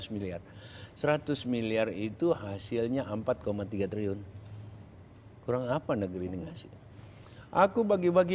seratus miliar seratus miliar itu hasilnya empat tiga triliun kurang apa negeri ini ngasih aku bagi bagi